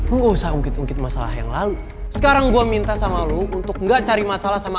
usah unggit unggit masalah yang lalu sekarang gua minta sama lu untuk enggak cari masalah sama